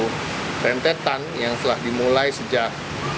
dari suatu rentetan yang telah dimulai sejak